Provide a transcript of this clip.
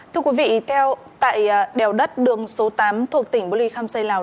thưa quý vị tại đèo đất đường số tám thuộc tỉnh bùi lì kham xây lào